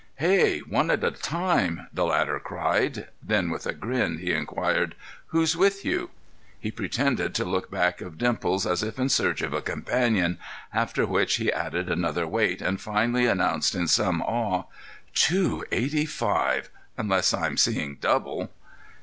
"Hey! One at a time!" the latter cried. Then with a grin he inquired, "Who's with you?" He pretended to look back of Dimples as if in search of a companion, after which he added another weight and finally announced, in some awe: "Two eighty five—unless I'm seeing double."